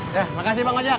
ya makasih bang ojak